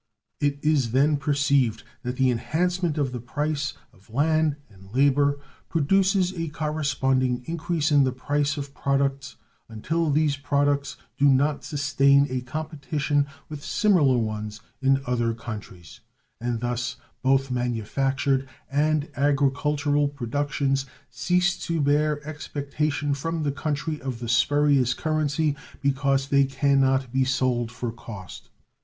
It is then perceived that the enhancement of the price of land and labor produces a corresponding increase in the price of products until these products do not sustain a competition with similar ones in other countries, and thus both manufactured and agricultural productions cease to bear expectation from the country of the spurious currency, because they can not be sold for cost.